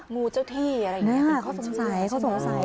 งูเจ้าที่อะไรอย่างนี้ค่ะเขาสงสัยเขาสงสัย